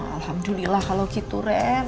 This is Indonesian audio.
alhamdulillah kalau gitu ren